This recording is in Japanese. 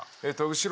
後ろ？